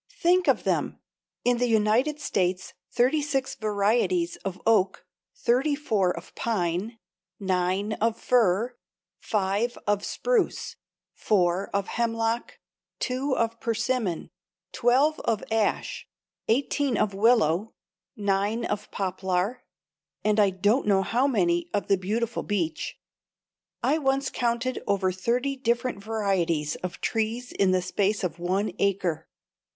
Think of them! In the United States thirty six varieties of oak, thirty four of pine, nine of fir, five of spruce, four of hemlock, two of persimmon, twelve of ash, eighteen of willow, nine of poplar, and I don't know how many of the beautiful beech. I once counted over thirty different varieties of trees in the space of one acre.